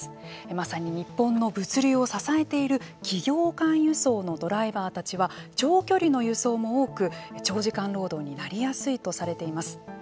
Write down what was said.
まさに日本の物流を支えている企業間輸送のドライバーたちは長距離の輸送も多く長時間労働になりやすいとされています。